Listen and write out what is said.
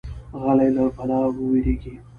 غلی، له بلا ووېریږي.